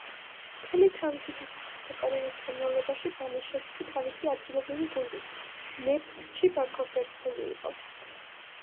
მთელი თავისი საფეხბურთო კარიერის განმავლობაში ბანიშევსკი თავისი ადგილობრივი გუნდის, ნეფთჩი ბაქოს ერთგული იყო.